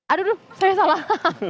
aduh saya salah